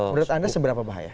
menurut anda seberapa bahaya